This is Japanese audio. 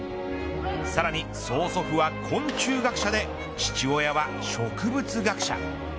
さらに曽祖父は昆虫学者で父親は植物学者。